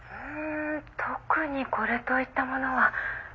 特にこれといったものは。